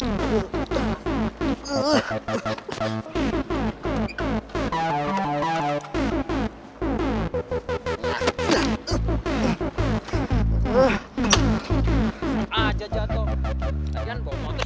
mau terus aku nelpon